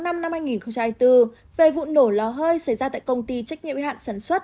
ngày một năm hai nghìn bốn về vụ nổ lò hơi xảy ra tại công ty trách nhiệm hạn sản xuất